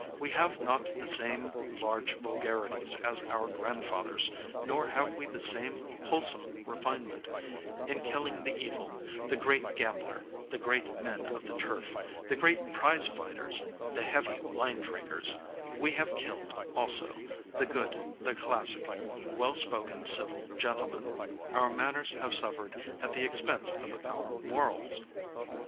We have not the same large vulgarities as our grandfathers, nor have we the same wholesome refinement; in killing the evil the great gambler, the great men of the turf, the great prize fighters, the heavy wine drinkers we have killed, also, the good, the classic, well spoken civil gentleman. Our manners have suffered at the expense of our morals.